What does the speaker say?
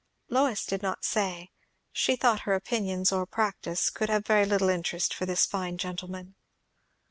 Lois did not say; she thought her opinions, or practice, could have very little interest for this fine gentleman.